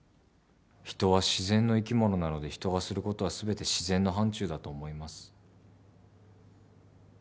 人は自然の生き物なので人がすることは全て自然の範ちゅうだと思います。